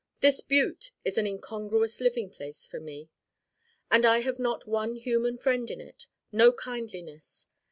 This Butte is an incongruous living place for me. And I have not one human friend in it no kindliness.